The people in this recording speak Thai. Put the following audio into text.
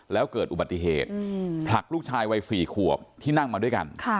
แล้วเกิดอุบัติเหตุผลักลูกชายวัย๔ขวบที่นั่งมาด้วยกัน